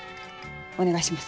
お願いします。